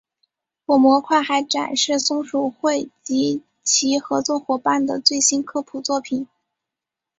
本模块还展示松鼠会及其合作伙伴的最新科普作品。